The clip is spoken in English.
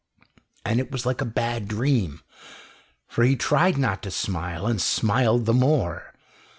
And it was like a bad dream, for he tried not to smile and smiled the more.